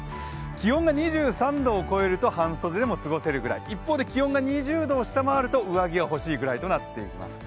気温が２３度を超えると半袖でも過ごせるくらい一方で気温が２０度を下回ると上着が欲しいぐらいになります。